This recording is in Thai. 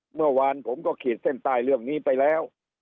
เมื่อวานผมก็ขีดเส้นใต้เรื่องนี้ไปแล้ว